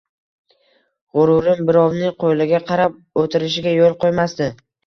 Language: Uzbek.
G‘ururim birovning qo‘liga qarab o‘tirishga yo‘l qo‘ymasdi